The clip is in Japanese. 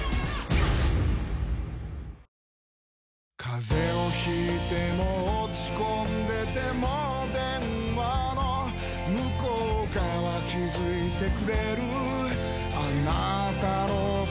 風邪を引いても落ち込んでても電話の向こう側気付いてくれるあなたの声